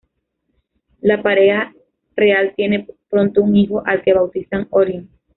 La pareja real tiene pronto un hijo al que bautizan Orion.